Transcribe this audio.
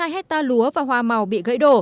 ba mươi hai hecta lúa và hoa màu bị gãy đổ